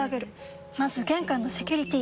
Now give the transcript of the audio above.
まず玄関のセキュリティ！